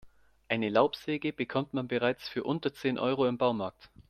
Eine Laubsäge bekommt man bereits für unter zehn Euro im Baumarkt.